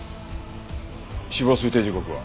死亡推定時刻は？